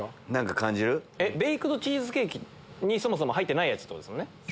ベイクドチーズケーキにそもそも入ってないやつですね。